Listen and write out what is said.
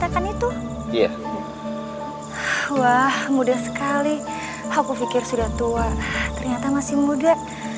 kali kali aku pikir sudah tua ternyata masih muda